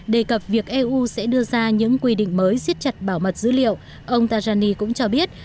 đề cập việc eu sẽ đưa ra những quy định mới siết chặt bảo mật dữ liệu ông tajani cũng cho biết